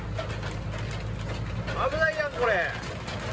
危ないじゃんこれ。